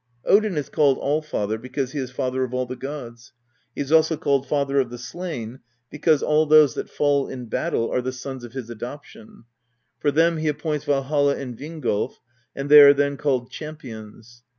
Odin is called Allfather because he is father of all the gods. He is also called Father of the Slain, because all those that fall in battle are the sons of his adoption; for them he appoints Valhall'^and Vingolf,^ and they are then called Champions.